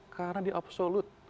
karena dia absolut